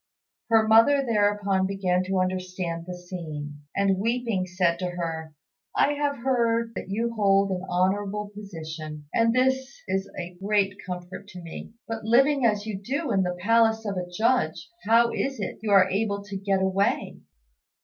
Her mother thereupon began to understand the scene, and, weeping, said to her, "I have heard that you hold an honourable position, and this is a great comfort to me; but, living as you do in the palace of a Judge, how is it you are able to get away?"